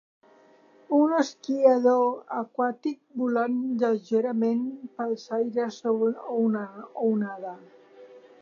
un esquiador aquàtic volant lleugerament pels aires sobre una onada